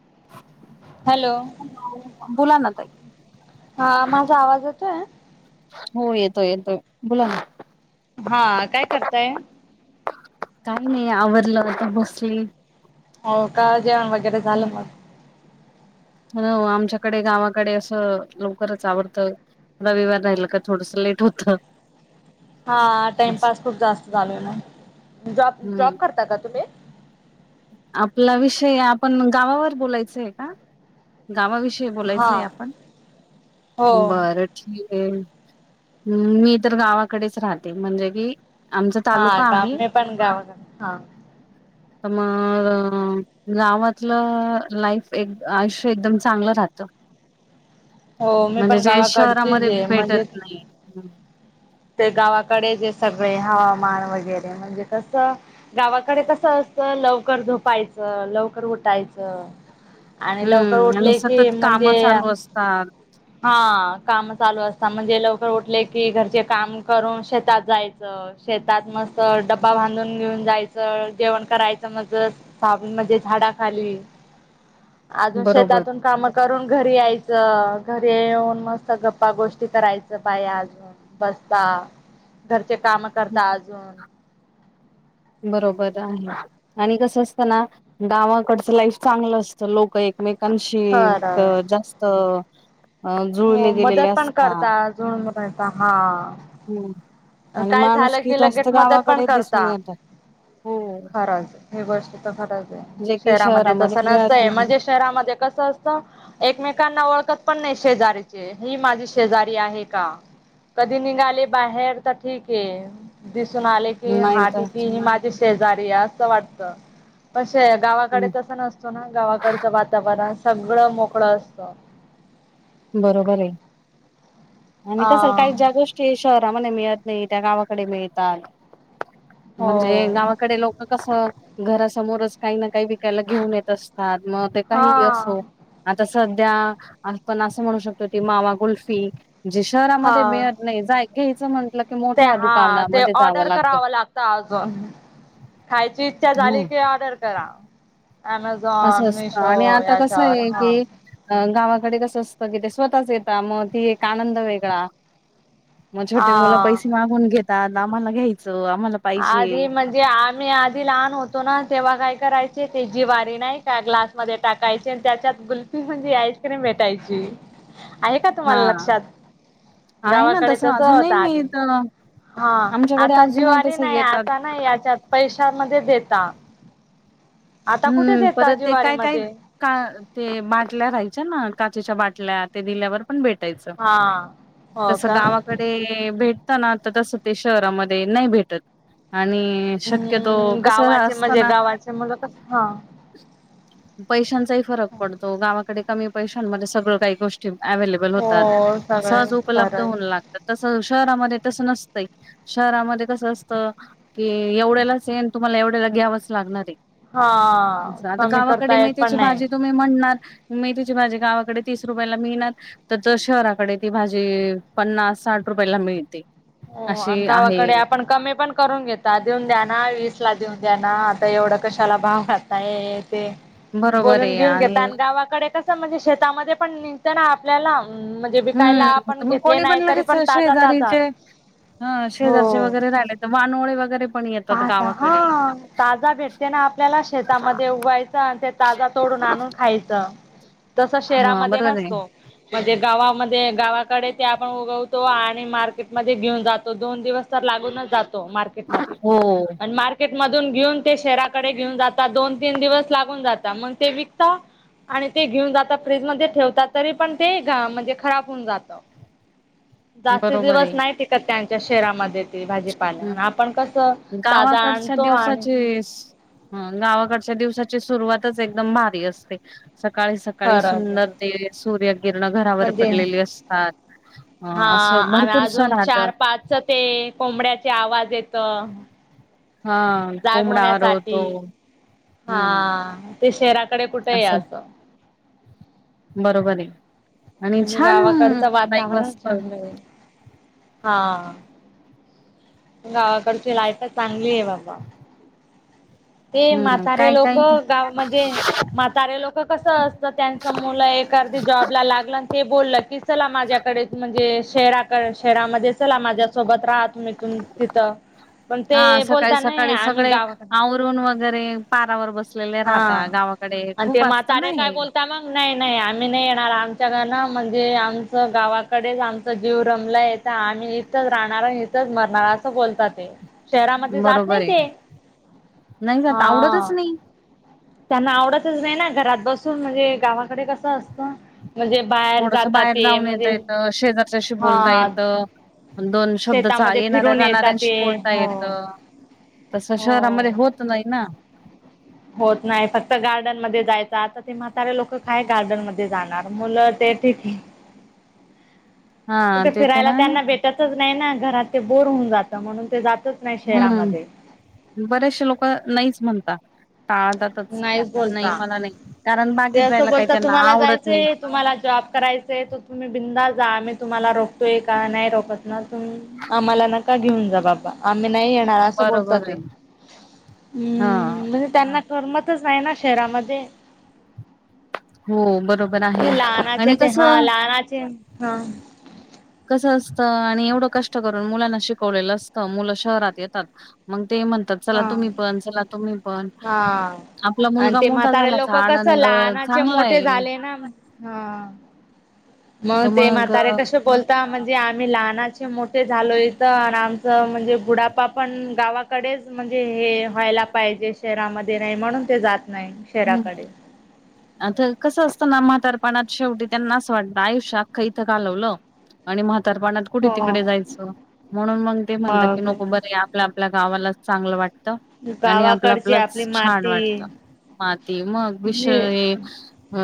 [inaudible] Hello बोला ना ताई हा माझा आवाज येतोय हो येतोय येतोय बोला ना हा काय करताय काही नाही आवरलं आत्ता बसली हो का जेवण वगैरे झालं मग आमच्याकडे गावाकडे असं लवकरच आवरत रविवार राहिलं का थोडस लेट होत हा टाइमपास खूप जास्त झालोय ना जॉब जॉब हम्म करता का तुम्ही आपला विषय आपण गावावर बोलायचंय का गावाविषयी हा बोलायचय आपण हो बरं ठीक हम्म मी तर गावाकडेच राहते म्हणजे कि हा आत्ता आम्ही पण गाव राहतो तर मग गावातलं लाईफ एक आयुष्य एकदम चांगलं राहतं हो मी म्हणजे पण जे गावाकडचीच शहरामध्ये आहे भेटत म्हणजे नाही ते गावाकडे जे सगळे हवामान वगैरे म्हणजे कसं गावाकडे कसं अस लवकर झोपायचं लवकर उठायचं आणि लवकर हम्म आणि उठले की सतत काम म्हणजे चालू असतात. हा काम चालू असतात म्हणजे लवकर उठले की घरचे काम करून शेतात जायचं शेतात मस्त डब्बा बांधून घेऊन जायचं जेवण करायचं मज सावली म्हणजे झाडा खाली अजून बरोबर. शेतातून काम करून घरी यायचं घरी येऊन मग सगळं गप्पा गोष्टी करायचं काय अजून बसता घर काम करता हम्म, अजून बरोबर आहे आणि कसं असत ना गावाकडचं लाईफ चांगलं असतं लोक एकमेक कांशी खरं जास्त अ जुळले हो गेलेले मदत पण करता असतात. जुळवून राहता हम्म आणि माणूसकी जास्त लगेच मदत पण गावाकडे दिसून करता येतात हो, खरंच हे गोष्ट तर खरच आहे जे कि शहरामध्ये तस मिळत नसतय नाही. म्हणजे शहरामध्ये कसं असतं एकमेकांना ना ओळखत पण नाही शेजारीचे ही माझी शेजारी आहे का कधी निघाले बाहेर तर ठीक आहे दिसून आले की नाही हा तर ठीक ह ही माझी शेजारी आ वाटत हम्म, गावाकडे तस नसतो ना गावाकडचं वातावरण सगळं मोकळा असतो बरोबर आहे आणि कस हा काही ज्या गोष्टी शहरामध्ये मिळत नाही त्या गावाकडे मिळतात म्हणजे हो गावाकडे लोक कस घरासमोरच काही ना काही विकायला घेऊन येत असतात मग ते काही हा. असो आता सध्या आपण असं म्हणू शकतो ती मावाकुल्फी जी शहरामध्ये हा मिळत नाही घ्यायचा म्हंटलं की ते मोठ्या हा ते दुकानामध्ये जावं ऑर्डर लागत करावं लागतं खायची इच्छा झाली हम्म. की ऑर्डर करा अमेझॉन, असं असतं आणि मिशो आता कसं याच्यावर आहे हा की गावा कडे कस असतं कि स्वतःच येत मग त एक आनंद वेगळा मग छोटे मुलं हा. पैसे मागून घेतात आम्हाला घ्यायच आधी म्हणजे आम्ही आधी लहान होतो ना तेव्हा काय करायचे ते जीवारी नाही का ग्लासमध्ये टाकायचे आणि त्याच्यात कुल्फी म्हणजे आईस्क्रीम भेटायची आहे का हा तुम्हाला लक्षात आहे ना गावाकडे तसं तस अजूनही होता आधी मिळत हा आमच्याकडे आता अजूनही जीवारी तसं नाही येतात आता नाही याच्यात पैशामध्ये देता आता कुठे हम्म देता परत ते काय काय जिवारीमध्ये? का ते बाटल्या राहायच्या ना काचेच्या बाटल्या ते दिल्यावर पण भेटायचं हा हो तस का? गावाकडे भेट ताना आता तसं ते शहरामध्ये नाही भेटत आणि शक्यतो हम्म कस गावाचे असतं म्हणजे ना गावाचे मुलं कस हा पैशांचा फरक पडतो गावाकडे कमी पैशांमध्ये सगळं काही गोष्टी अवेलेबल होतात हो सगळे सहज उपलब्ध खरंय होतात शहरामध्ये तस नसतंय शहरामध्ये कस असत की एवढ्यालाच आहे आणि तुम्हाला एवढ्यालाच घ्यावच लागणार आहे हा आता कमी गावाकडे करता येत पण मेथीची नाही भाजी तुम्ही म्हणणार मेथीची भाजी गावाकडे तीस रुपयाला मिळणार तर जर शहराकडे ती भाजी पन्नास साठ रुपयाला मिळते हो आणि अशी आहे गावाकडे आपण कमी पण करून घेता देऊन द्या ना वीस देऊन द्या ना आता एवढं कशाला भाव करताय ते बरोबर बोलून आहे घेऊन घेत आणि गावाकडे कसं म्हणजे शेतामध्ये पण निघत ना आपल्याला ह म्हणजे विकायला हम्म आपण तर घेतले नाही तरी पण ताजा ताजा हा शेजारचे हो वगैरे राहिले तर वानोळे वगैरे पण येतात ताजा हा गावाकडे ताजा भेटते ना आपल्याला शेतामध्ये उगायचं आणि ते ताजा तोडून खायच तस हा शहरांमध्ये बरोबर आहे नसतो म्हणजे गावामध्ये गावाकडे ते आपण उगवतो आणि मार्केटमध्ये घेऊन जातो दोन दिवस तर लागूनच जातो मार्केट मध्ये हो आणि मार्केट मध्ये घेऊन ते शहराकडे घेऊन जात दोन तीन दिवस लागून जातात मग ते विकता आणि ते घेऊन जात फ्रीजमध्ये ठेवता तरी पण ते म्हणजे खराब होऊन जात जास्ती बरोबर दिवस आहे नाही टिकत त्यांच्या शहरामध्ये ती भाजीपाल्या आपण कसं ताजा गावाकडच्या आणतो आणि दिवसाचेस गावाकडच्या दिवसा सुरवातच एकदम भारी असते. सकाळी सकाळी खरंच सुंदर ते सूर्य किरण घरावर म्हणजे पडलेली असतात. हा.. ह असं अन् भरपूरस अजून राहत चार पाच तेएए.. कोंबड्याचे आवाज येतं. हा कोंबडा जागवण्यासाठी. आरवतो हा.. हम्म. ते शहराकडे कुटय असं आता. बरोबर ये. म्हणजे गावाकडचं वातावरण वाजत चांगलय. हा गावाकडची लायफच चांगली आहे. बाबा ते हम्म म्हातारे काय काय लोकं, गाव म्हणजे म्हातारे लोकं कस असतं त्यांचं मुलं एक, करते जॉबला लागलन ते बोल चला माझ्याकडे म्हणजे शेहराकड शेहरामध्ये चला माझ्यासोबत राहत. तुम्ही तुम-तिथं पण हा ते सकाळी बोलता नाही सकाळी आम्ही सगळे गावाक आवरून वगैरे पारावर बसलेले राहता हा गावाकडे अन् ते खूप असतं ना म्हातारे काय हे बोलता मग नाही नाही आम्ही आम्ही नाही येणार आमच्या [unintelligible] म्हणजे आमचं गावाकडेच आमचं जीव रमलाय‌. आता आम्ही इथंच राहणार अन् इथंच मरणार. अस बोलतात ते शहरामध्ये जात नाहीं बरोबर आहे. ते. नाही जात आवडतच हा... नाही त्यांना आवडतच नाही ना, घरात बसून म्हणजे गावाकडे कसं असतं. म्हणजे बाहेर थोडसं जातात बाहेर ते जाऊन म्हणजे येता येतं, शेजारच्याशी बोलता हा येतं. दोन शब्दच शेतामध्ये येणाऱ्या फिरून येतात ते जाणाऱ्यांशी बोलता येतं. हो तसं शहरामध्ये होतं नाही ना. होत नाही फक्त गार्डनमध्ये जायचं, आता ते म्हातारे लोकं काय गार्डनमध्ये जाणार मुलं ते [unintelligible] हा कुठ ते तर फिरायला आहे त्यांना भेटतचं नाही ना, घरात ते बोर होऊन जातं म्हणून ते जात हम्म बरेशे लोक नाहीच म्हणतात. टाळतातच नाहीच नाही बोलता मला नाही, कारण ते बागेत असं जायला काही त्यांना आवडत नाही. करायचाय तर तुम्ही बिनधास्त जा आम्ही तुम्हाला रोखतोय का, नाही रोखत ना तुम आम्हाला नका घेऊन जा बाबा. मी नाही येणार असं बोलतात बरोबर ते आहे हा म्म.. म्हणजे त्यांना. करमतच नाही ना शहरामध्ये. हो बरोबर. आहे ते लहानाचे आणि ते हा.. कसं लहानाचे हं.. कसं असतं आणि एवढं कष्ट करून मुलांना शिकवलेलं असतं. मुलं शहरात येतात मग, ते म्हणतात चला हा तुम्ही पण चला तुम्ही पण हा. आपला आणि मुलगा ते मोठा म्हातारे झाल्याचा लोकं कस, आनंद लहानाचे चांगला मोठे आहे. झाले ना हा... मग तर ते अ, म्हातारे कसे बोलता म्हणजे, जे आम्ही लहानाचे मोठे झालोय इथं अन् आणि आमचं म्हणजे बुडापा पण गावाकडेच म्हण म्हणजे हे व्हायला पाहिजे शहरामध्ये नाही म्हणून ते जात, नाही हम्म शहराकडे. आता कसं असतं ना म्हा तारपणात शेवटी त्यांना असं वाटतं आयुष्य अखं इथं घालवलं आणि म उतारपणात कुठे हो. तिकडे जायचं, म्हणून मग ते म्हणतात की मग नको बरे आपल्या आपल्या गावालाच चांगलं वाटतं, आणि आपला गावाकडची आपली प्लस छान माती वाटतं. माती मग म्हणजे विषय अ..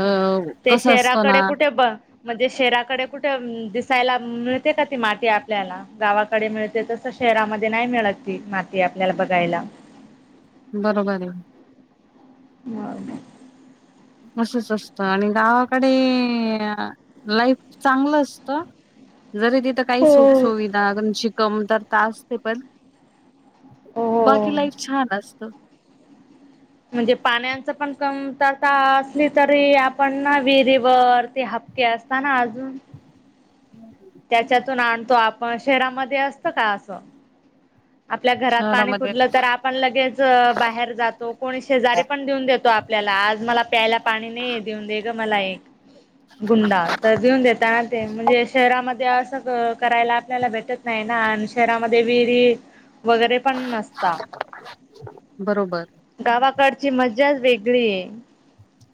ते कसं असतो शहराकडे ना कुठे ब म्हणजे शहराकडे कुठं मं.. दिसायला मिळते का ती माती आपल्याला गावाकडे मिळते तसं. शहरामध्ये नाही मिळत ती माती आपल्याला बघायला. बरोबराय. [unintelligible] असच असतं आणि गावाकडे लाईफ चांगलं असतं. [unintelligible] जरी तिथं काही हो. सुखसुविधा [unintelligible] कमतरता असते पण बाकी हो. लाईफ छान असत. म्हणजे पाण्याच पण कमतरता असली तरी आपण ना विहिरीवर असताना अजून त्याच्यातून आणतो आपण शहरामध्ये असत का असं. आपल्या घरात पाणी शहरामध्ये फुटलं तर आपण लगेच बाहेर जातो कोणी शेजारी पण देऊन देतो. आपल्याला आज मला प्यायला पाणी नाही देऊन दे ग मला एक गुंडा तर भऊन देताना ते म्हणजे शहरामध्ये करायला आपल्याला भेटत नाही ना आणि शहरामध्ये विहिरी वगैरे पण नसता बरोबर गावा सकारडची मजा वेगळी आहे.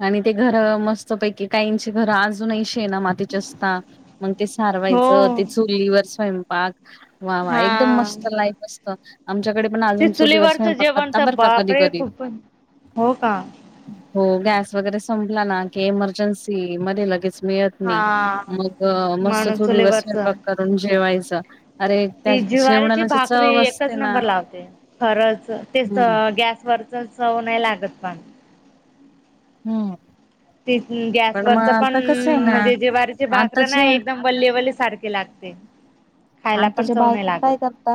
आणि ते घर मस्त पैकी काहींची घर अजूनही श. शेना मातीचे असता मग ते सारवायचं हो ते चुलीवर स्वयंपाक वा वा एकदम हा मस्त लाईफ असत. आमच्याकडे पण ते अजून चोलीवर चुलीवरचं जेवण सता तर बर का कधी बापरे कधी खूप हो का हो गॅस वगैरे संपला ना की इमर्जन्सी मध्ये लगेच मिळत हा नाही मग मस्त म्हणून चुलीवर चुलीवरच स्वैंपाक करून जेवायच. ती जिवारीची भाकरी एकच असते ना नंबर लावते खरंच ते हम्म. गॅसवरच चव नाही लागत पग हम्म. त मग गॅसवररच पण आता कसं आहे ना म्हणजे जेवारीचे भाकरर ना आताच्या एकदम वल्लेवल्ले. सारखे लागते. खायला आणि पण तुच्या चव नाही बायक काय लागत करता?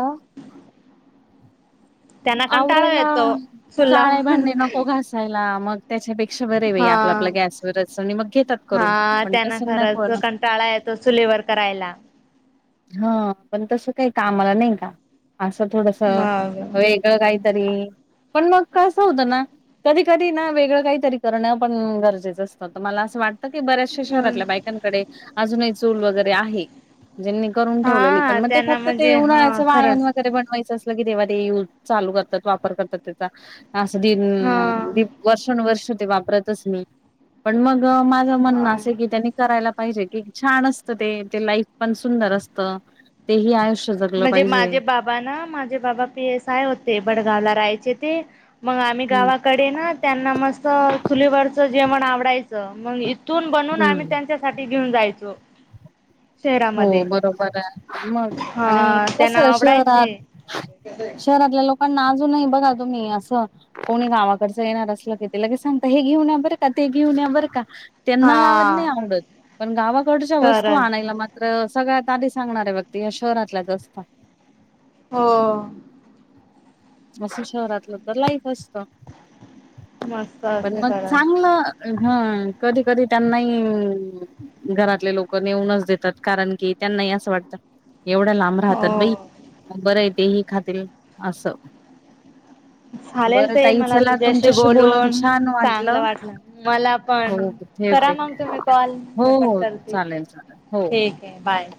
त्यांना कंटाळा आवरायला येतो चुल्हा काळे भांडे नको घसायला मग त्याच्यापेकी बरे व हा आप आपल्या गॅसवर चणी मग घेतात करून हा पण त्यांना तसल नाही कोण? खरंच कंटाळा येतो चुलीवर करायला. हा पण तसं काही कामाला नाही का? असं थोडस मग वेगळं काहीतरी पण मगसं होतं ना कधी कधी ना वेगळं काहीतरी करणं पण गरजेचं असतं मला असं वाटत. की बऱ्याचश शहरातल्या बायकांकडे अजूनही चूल वगैरे आहे. ज्यांनी करून ठेवलेली पण हा मग ते त्यांना फक्त ते म्हणजे येऊन हा आणायचं वाण खरंच वगैरे बनवायचं. जर की तेव्हा ते यूज चालू करतात वापर करतात त्याचा असं दिन हा वर्षानुवर्ष ते वापरतच नाही पण मग माझं म्हणणं हा असं की त्यांनी करायला पाहिजे की छान असतं ते ते लाईफ. पण सुंदर अस ते ह आयुष म्हणजे माझे बाबा ना माझे बाबा पी एस आय होते वडगावला राहायचे ते मग आम्ही हम्म गावाकडे ना त्यांना मस्त चुलीवरचं जेवण आवडायचं मग इ इथून बनवून आम्ही हम्म त्यांच्यासाठी घेऊन जायचो. हो शहरामध्ये बरोबर आहे मग आणि हा कस त्यांना आवडायचे शहरात शहरातल्या लोकांना अजून ही बघा तुम्ही अस कोणी गावाकडचं येणार असेल की लगेच सांगता की हे घेऊन या बरका ते ते घेऊन या बरका त्यांना गावात नाही हा आवडत पण गावाकडच्या वस्तू खरंच आणायला. मात्र सगळ्यात आधी सांगणार आहे बघती या शहरातल्याच असत. ह. असं शहरातलं तर लाईफ असत. मस्त पण असते मग खरंच चांगलं. हा कधी कधी त्यांनाही घरातले लोक नेऊनच देतात कारण की त्यांना नाही असं वाटत एवढं लांब राहतात बाई हो बरं य ते ह खातील असं. ह. चालेल बरं ते ताई मला चला तुझ्याशी तुमच्याशी बोलून छान चांगलं वाटलं मला पण. हो करा ठेवते मग तुम्ही कॉल हो मी पण हो करते चालेल चालेल हो ठीक हे बाय.